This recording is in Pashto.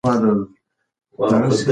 هغه وویل چې دی په دې موضوع کار کوي.